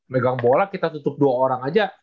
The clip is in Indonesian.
megang bola kita tutup dua orang aja